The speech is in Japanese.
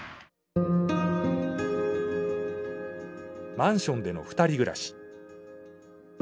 マンションでの２人暮らし。